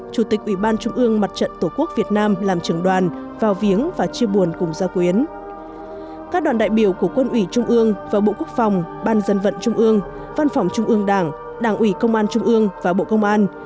các đoàn đại biểu của quân ủy trung ương và bộ quốc phòng ban dân vận trung ương văn phòng trung ương đảng đảng ủy công an trung ương và bộ công an